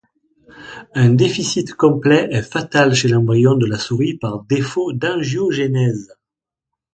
Un déficit complet est fatal chez l'embryon de la souris par défaut d'angiogenèse.